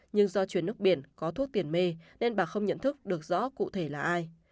nhưng do chuyển nước biển có thuốc tiền mê nên bà không nhận thức được rõ cụ thể là ai